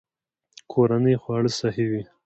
کورني خواړه صحي وي.